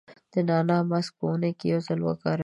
د نعناع ماسک په اونۍ کې یو ځل وکاروئ.